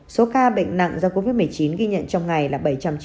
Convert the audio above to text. số ca bệnh nặng do covid một mươi chín ghi nhận trong ngày là bảy trăm chín mươi